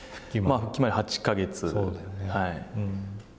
復帰まで８か月。